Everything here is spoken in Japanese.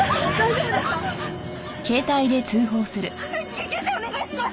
救急車お願いします！